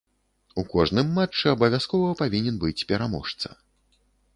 У кожным матчы абавязкова павінен быць пераможца.